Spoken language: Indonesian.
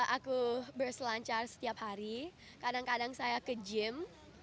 aku berselancar setiap hari kadang kadang saya ke gym